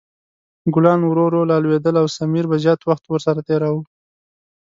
ګلان ورو ورو لا لویدل او سمیر به زیات وخت ورسره تېراوه.